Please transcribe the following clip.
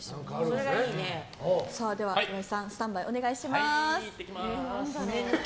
では、岩井さんスタンバイお願いします。